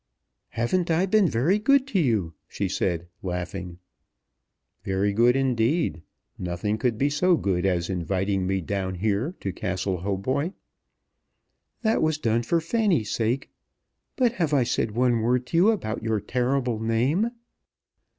"Haven't I been very good to you?" she said, laughing. "Very good, indeed. Nothing could be so good as inviting me down here to Castle Hautboy." "That was done for Fanny's sake. But have I said one word to you about your terrible name?"